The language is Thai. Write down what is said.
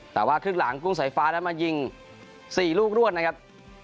แต่ว่าครึ่งหลังกุ้งสายฟ้านั้นมายิง๔ลูกรวดนะครับ